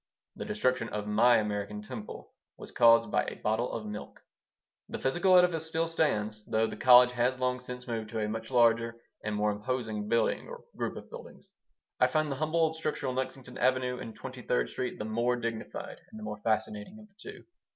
The destruction of my American Temple was caused by a bottle of milk. The physical edifice still stands, though the college has long since moved to a much larger and more imposing building or group of buildings. I find the humble old structure on Lexington Avenue and Twenty third Street the more dignified and the more fascinating of the two.